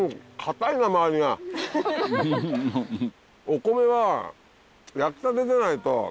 お米は焼きたてじゃないと。